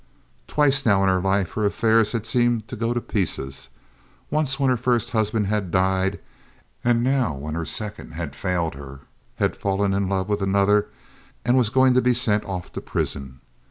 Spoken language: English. Twice now in her life her affairs had seemed to go to pieces—once when her first husband had died, and now when her second had failed her, had fallen in love with another and was going to be sent off to prison.